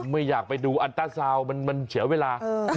ไม่อยากไปดูอันต้าซาวน์มันเสียเวลา